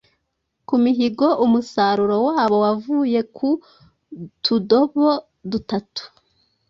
ku mihigo, umusaruro wabo wavuye ku tudobo dutatu